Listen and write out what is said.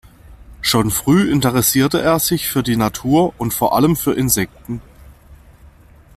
Schon früh interessierte er sich für die Natur und vor allem für Insekten.